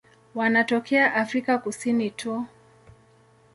Wanatokea Afrika Kusini tu.